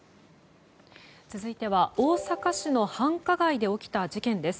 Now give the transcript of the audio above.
続いては大阪市の繁華街で起きた事件です。